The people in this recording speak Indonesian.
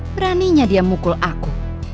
beraninya dia mukul aku